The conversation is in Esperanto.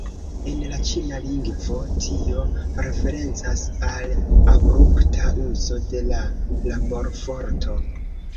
En la Ĉina lingvo, tio referencas al abrupta uzo de la laborforto.